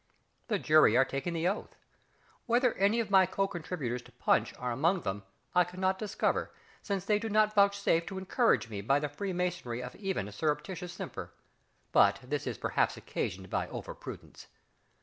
The jury are taking the oath. Whether any of my co contributors to Punch are among them I cannot discover, since they do not vouchsafe to encourage me by the freemasonry of even a surreptitious simper. But this is perhaps occasioned by over prudence.